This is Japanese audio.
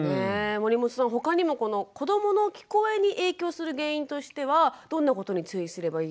守本さん他にもこの子どもの聞こえに影響する原因としてはどんなことに注意すればいいですか？